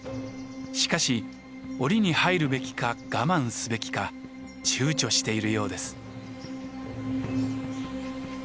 しかし檻に入るべきか我慢すべきか躊躇しているようです。